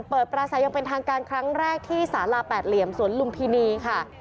ปราศัยยังเป็นทางการครั้งแรกที่สาลาแปดเหลี่ยมสวนลุมพินีค่ะ